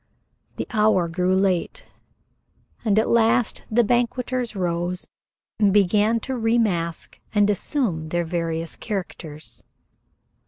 The hour grew late, and at last the banqueters rose and began to remask and assume their various characters.